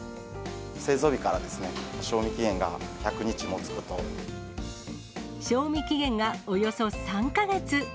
製造日から賞味期限が１００賞味期限がおよそ３か月。